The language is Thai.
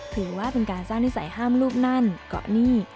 ถือว่าเป็นการสร้างนิสัยห้ามรูปนั่นเกาะนี่